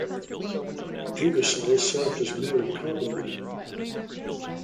Ingersoll served as mayor of Carbondale.